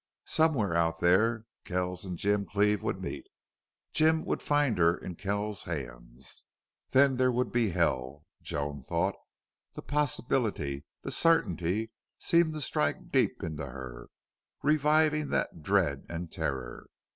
Somewhere out there Kells and Jim Cleve would meet. Jim would find her in Kells's hands. Then there would be hell, Joan thought. The possibility, the certainty, seemed to strike deep into her, reviving that dread and terror.